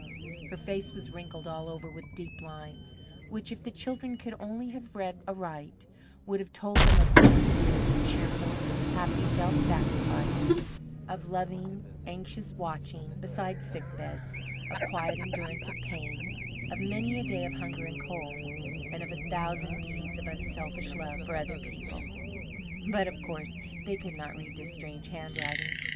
Her face was wrinkled all over with deep lines, which, if the children could only have read aright, would have told them of many years of cheerful, happy, self sacrifice, of loving, anxious watching beside sick beds, of quiet endurance of pain, of many a day of hunger and cold, and of a thousand deeds of unselfish love for other people; but, of course, they could not read this strange handwriting.